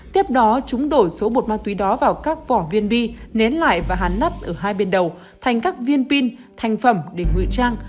tiếp đó chúng đổi số bột ma túy đó vào các vỏ viên bi nén lại và hắn nắp ở hai bên đầu thành các viên pin thành phẩm để ngụy trang